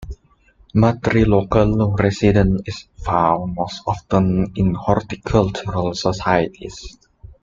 Matrilocal residence is found most often in horticultural societies.